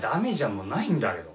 もうないんだけど。